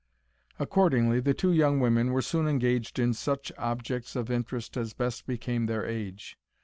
Accordingly, the two young women were soon engaged in such objects of interest as best became their age.